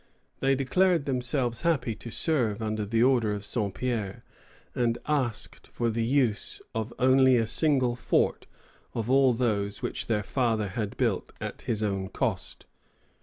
They declared themselves happy to serve under the orders of Saint Pierre, and asked for the use of only a single fort of all those which their father had built at his own cost.